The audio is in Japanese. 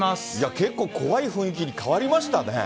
結構怖い雰囲気に変わりましたね。